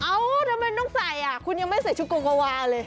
ทำไมต้องใส่อ่ะคุณยังไม่ใส่ชุดโกโกวาเลย